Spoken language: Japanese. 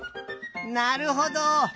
なるほど！